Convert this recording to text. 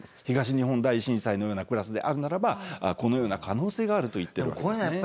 東日本大震災のようなクラスであるならばこのような可能性があると言ってるわけですね。